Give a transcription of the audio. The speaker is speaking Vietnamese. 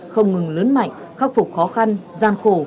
không ngừng lớn mạnh khắc phục khó khăn gian khổ